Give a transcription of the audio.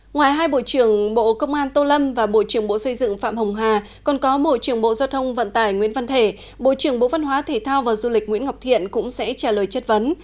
ngoài hai bộ trưởng bộ công an tô lâm và bộ trưởng bộ xây dựng phạm hồng hà còn có bộ trưởng bộ giao thông vận tải nguyễn văn thể bộ trưởng bộ văn hóa thể thao và du lịch nguyễn ngọc thiện cũng sẽ trả lời chất vấn